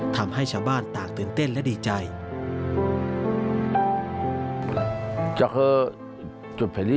ทำให้ชาวบ้านต่างตื่นเต้นและดีใจ